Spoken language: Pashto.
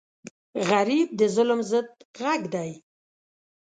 غریب د ظلم ضد غږ دی